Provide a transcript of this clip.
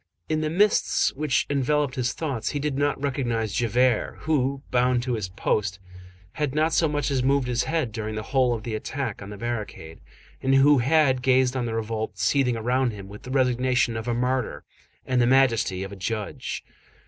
In the mists which enveloped his thoughts, he did not recognize Javert, who, bound to his post, had not so much as moved his head during the whole of the attack on the barricade, and who had gazed on the revolt seething around him with the resignation of a martyr and the majesty of a judge.